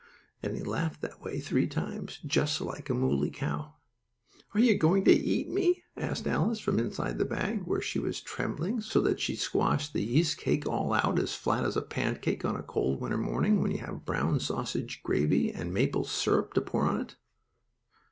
and he laughed that way three times, just like a mooley cow. "Are you going to eat me?" asked Alice, from inside the bag, where she was trembling so that she squashed the yeast cake all out, as flat as a pancake on a cold winter morning, when you have brown sausage gravy and maple syrup to pour on it.